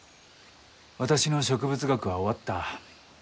私の植物学は終わった。